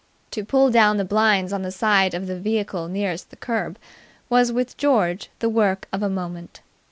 To pull down the blinds on the side of the vehicle nearest the kerb was with George the work of a moment.